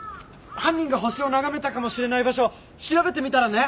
犯人が星を眺めたかもしれない場所調べてみたらね。